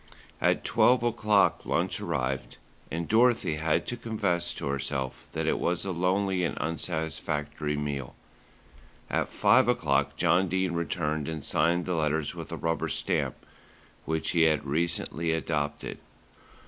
At twelve o'clock lunch arrived, and Dorothy had to confess to herself that it was a lonely and unsatisfactory meal. At five o'clock John Dene returned and signed the letters with a rubber stamp, which he had recently adopted.